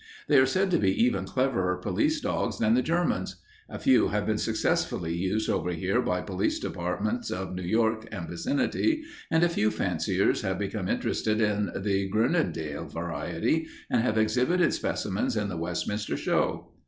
They are said to be even cleverer police dogs than the Germans. A few have been successfully used over here by police departments of New York and vicinity, and a few fanciers have become interested in the Groenendaele variety and have exhibited specimens in the Westminster show."